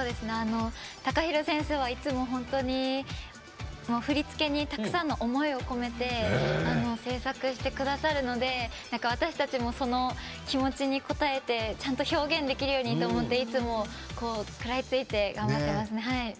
ＴＡＫＡＨＩＲＯ先生はいつもお本当に振付にたくさんの思いを込めて制作してくださるので私たちも、その気持ちに応えて表現できるようにくらいついて頑張ってますね。